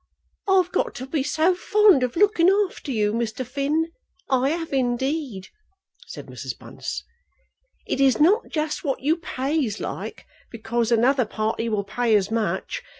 "I've got to be so fond of looking after you, Mr. Finn! I have indeed," said Mrs. Bunce. "It is not just what you pays like, because another party will pay as much.